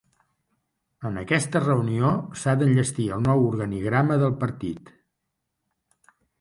En aquesta reunió s’ha d’enllestir el nou organigrama del partit.